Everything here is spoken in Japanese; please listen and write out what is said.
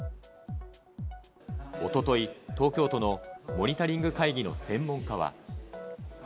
おととい、東京都のモニタリング会議の専門家は。